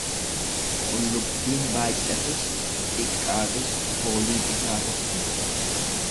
Qullubbiin baay'atus xiqqaatus fooliin isaa tokkuma.